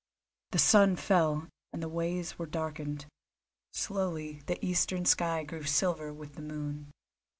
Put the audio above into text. The sun fell and the ways were darkened. Slowly the eastern sky grew silver with the moon.